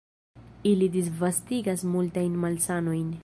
Ili disvastigas multajn malsanojn.